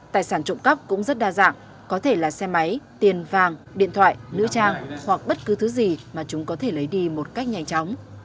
tài sản trộm cắp cũng rất đa dạng có thể là xe máy tiền vàng điện thoại nữ trang hoặc bất cứ thứ gì mà chúng có thể lấy đi một cách nhanh chóng